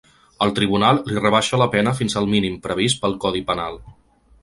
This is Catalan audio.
El tribunal li rebaixa la pena fins al mínim previst pel codi penal.